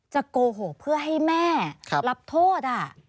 โกหกเพื่อให้แม่รับโทษ